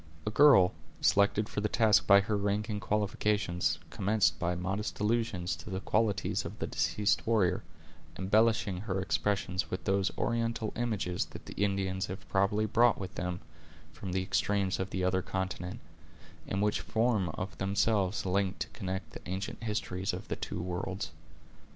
A girl, selected for the task by her rank and qualifications, commenced by modest allusions to the qualities of the deceased warrior, embellishing her expressions with those oriental images that the Indians have probably brought with them from the extremes of the other continent, and which form of themselves a link to connect the ancient histories of the two worlds.